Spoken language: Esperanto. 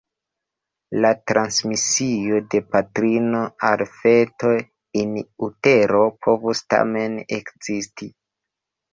La transmisio de patrino al feto "in utero" povus tamen ekzisti.